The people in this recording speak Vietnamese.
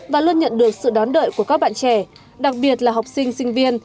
và luôn nhận được sự đón đợi của các bạn trẻ đặc biệt là học sinh sinh viên